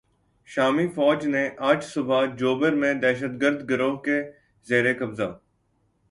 شامی فوج نے آج صبح "جوبر" میں دہشتگرد گروہ کے زیر قبضہ